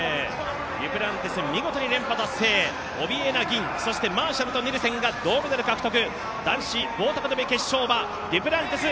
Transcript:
デュプランティス見事に連覇達成、オビエナ銀、そしてマーシャルとニルセンが銅メダル獲得。